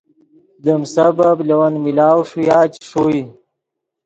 دیم سبب لے ون ملاؤ ݰویا چے ݰوئے